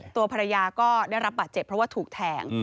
ตัวภรรยาก็ได้รับบาดเจ็บเพราะว่าถูกแทง